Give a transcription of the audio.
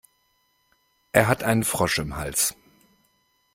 Er hat einen Frosch im Hals.